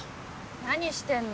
何してんの？